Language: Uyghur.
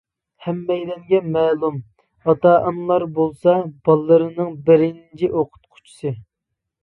ھەممەيلەنگە مەلۇم، ئاتا-ئانىلار بولسا بالىلىرىنىڭ بىرىنچى ئوقۇتقۇچىسى.